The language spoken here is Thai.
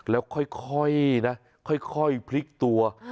แล้วค่อยนะค่อยพลิกตัว